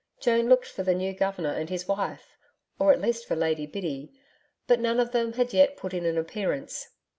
Joan looked for the new Governor and his wife, or at least for Lady Biddy, but none of them had yet put in an appearance.